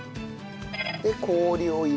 で氷を入れて。